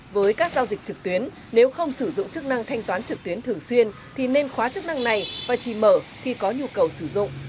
với các giao dịch trực tuyến nếu không sử dụng chức năng thanh toán trực tuyến thường xuyên thì nên khóa chức năng này và chỉ mở khi có nhu cầu sử dụng